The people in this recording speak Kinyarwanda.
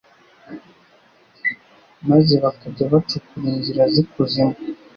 maze bakajya bacukura inzira z'ikuzimu